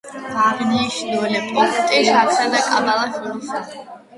აღნიშნული პუნქტი შაქსა და კაბალას შორისაა.